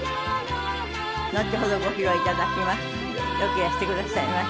後ほどご披露頂きます。